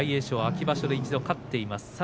翔は秋場所で一度、勝っています。